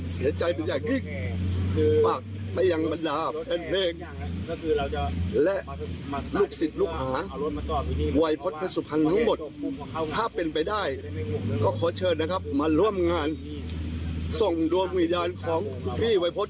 ส่งดวงวิญญาณของคุณพี่อาวัยพฤษ